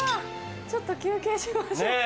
ちょっと休憩しましょう。ねぇ！